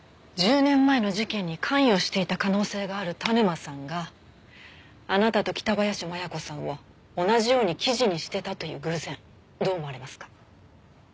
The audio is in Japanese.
１０年前の事件に関与していた可能性がある田沼さんがあなたと北林麻弥子さんを同じように記事にしてたという偶然どう思われますか？